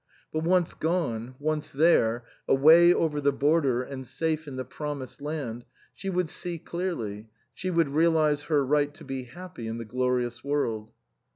But once gone, once there, away over the border and safe in the pro mised land, she would see clearly, she would realize her right to be happy in the glorious world.